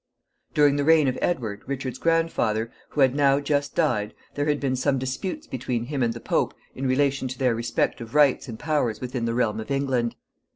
During the reign of Edward, Richard's grandfather, who had now just died, there had been some disputes between him and the Pope in relation to their respective rights and powers within the realm of England.